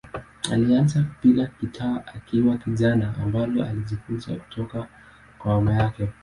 Alianza kupiga gitaa akiwa kijana, ambalo alijifunza kutoka kwa mama yake.